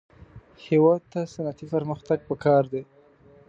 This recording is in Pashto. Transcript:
هېواد ته صنعتي پرمختګ پکار دی